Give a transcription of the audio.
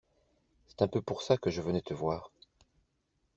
C’est un peu pour ça que je venais te voir.